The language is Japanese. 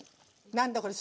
何だこれ。